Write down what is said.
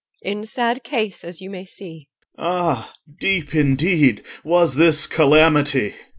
In sad case, as you may see OR. Ah! deep indeed was this calamity!